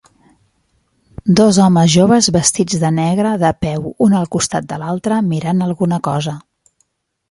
Dos homes joves vestits de negre de peu un al costat de l"altre mirant alguna cosa.